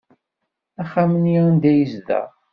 D axxam-nni anda yezdeɣ.